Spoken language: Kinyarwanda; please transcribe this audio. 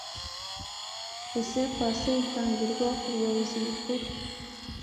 Laissez passer itangirwa ku Buyobozi Bukuru